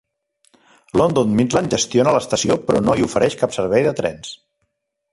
London Midland gestiona l'estació però no hi ofereix cap servei de trens.